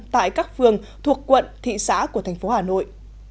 tại các phường thuộc quận thị xã của thành phố hà nội